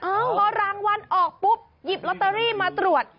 พอรางวัลออกปุ๊บหยิบลอตเตอรี่มาตรวจ